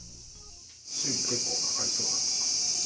修理、結構かかりそうなんですか？